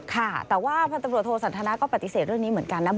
ค่ะแต่ว่าพันตำรวจโทสันทนาก็ปฏิเสธเรื่องนี้เหมือนกันนะ